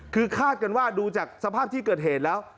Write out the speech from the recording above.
คือคาดกันว่าดูจากสภาพที่เกิดเหตุแล้ว